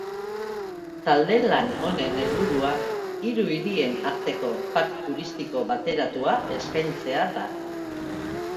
Talde lan honen helburua hiru hirien arteko pack turistiko bateratua eskaintzea da.